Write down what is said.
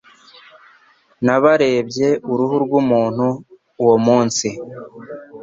Nabarebye uruhu rwumuntu uwo munsi.